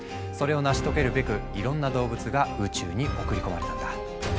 それを成し遂げるべくいろんな動物が宇宙に送り込まれたんだ。